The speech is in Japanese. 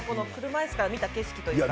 車いすから見た景色というか。